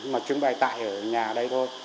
mà trưng bày tại ở nhà đây thôi